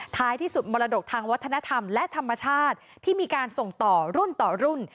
ท้ายที่สุดมรดกทางวัฒนธรรมและธรรมชาติที่มีการส่งต่อรุ่นต่อรุ่น